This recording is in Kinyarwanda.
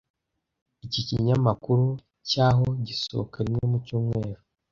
Iki kinyamakuru cyaho gisohoka rimwe mu cyumweru.